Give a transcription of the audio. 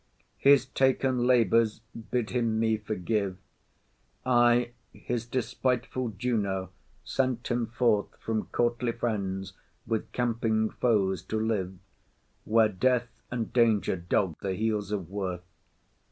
His taken labours bid him me forgive; I, his despiteful Juno, sent him forth From courtly friends, with camping foes to live, Where death and danger dog the heels of worth.